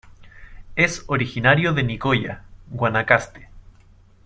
Es originario de Nicoya, Guanacaste.